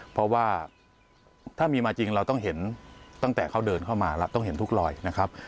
เพราะว่าถ้ามีมาจริงเราต้องเห็นตั้งแต่เขาเดินเข้ามาเราต้องเห็นทุกรอยนะครับ